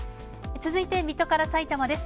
続いて、水戸からさいたまです。